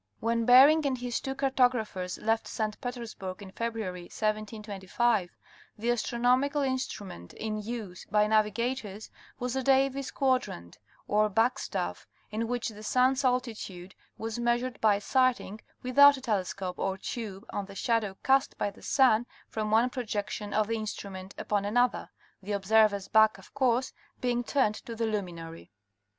When Bering and his two cartographers left St. Petersburg in February, 1725, the astronomical instrument in use by naviga tors was the Davis quadrant or " backstaff," in which the sun's altitude was measured by sighting without a telescope or tube on the shadow cast by the sun from one projection of the instrument upon another, the observer's back of course, being turned to the luminary.